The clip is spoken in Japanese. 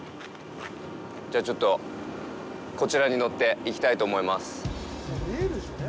じゃあ、ちょっと、こちらに乗って行きたいと思います。